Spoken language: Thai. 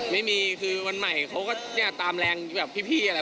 ไม่มีคือวันใหม่เขาก็ตามแรงพี่อะไร